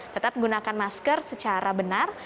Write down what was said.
tetap gunakan masker secara benar